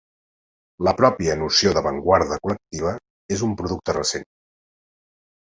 La pròpia noció d'avantguarda col·lectiva és un producte recent.